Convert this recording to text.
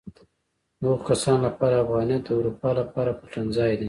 د هغو کسانو لپاره افغانیت د اروپا لپاره پټنځای دی.